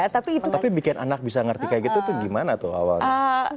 tapi bikin anak bisa ngerti kayak gitu tuh gimana tuh awalnya